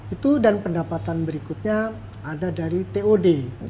itu dan pendapatan berikutnya ada dari tod